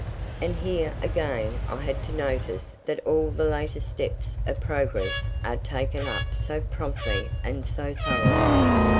And, here, again, I had to notice that all the latest steps of progress are taken up so promptly and so thoroughly.